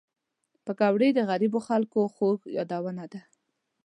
پکورې د غریبو خلک خوږ یادونه ده